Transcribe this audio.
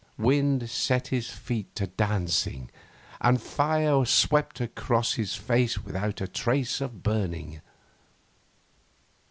Wind set his feet to dancing, and fire swept across his face without a trace of burning.